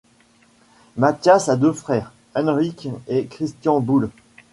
Matthias a deux frère: Henrik et Christian Bull.